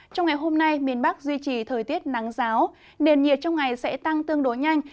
trong ngày hôm nay miền bắc duy trì thời tiết nắng giáo nền nhiệt trong ngày sẽ tăng tương đối nhanh